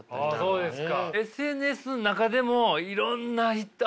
そうです。